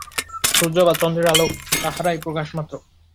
সূর্য বা চন্দ্রের আলোক তাঁহারই প্রকাশমাত্র।